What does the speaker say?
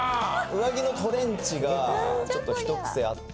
上着のトレンチがちょっとひと癖あって。